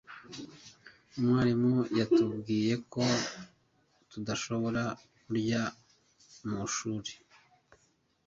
umwarimu yatubwiye ko tudashobora kurya mu ishuri